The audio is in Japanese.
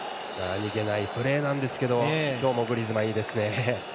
何気ないプレーなんですけど今日もグリーズマン、いいですね。